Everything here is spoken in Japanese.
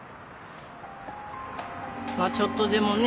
ちょっとでもね